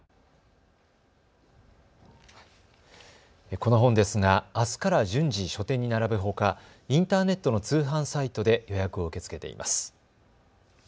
この本ですが、あすから順次書店に並ぶほかインターネットの通販サイトで予約を受け付けています。